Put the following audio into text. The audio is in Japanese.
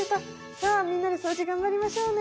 さあみんなで掃除頑張りましょうね」。